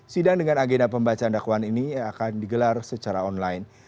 sidang dengan agenda pembacaan dakwaan ini akan digelar secara online